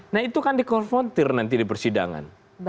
nah itu kan dikonfrontir nanti di persidangan